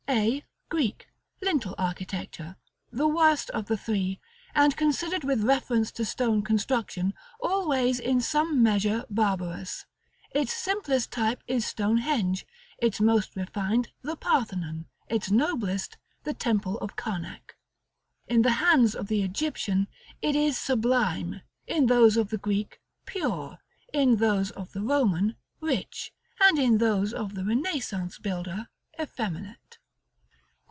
§ LXXXIX. A. GREEK: Lintel Architecture. The worst of the three; and, considered with reference to stone construction, always in some measure barbarous. Its simplest type is Stonehenge; its most refined, the Parthenon; its noblest, the Temple of Karnak. In the hands of the Egyptian, it is sublime; in those of the Greek, pure; in those of the Roman, rich; and in those of the Renaissance builder, effeminate.